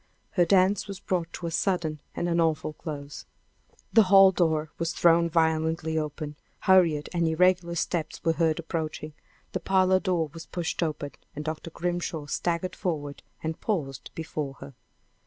Her dance was brought to a sudden and an awful close. The hall door was thrown violently open, hurried and irregular steps were heard approaching, the parlor door was pushed open, and Dr. Grimshaw staggered forward and paused before her!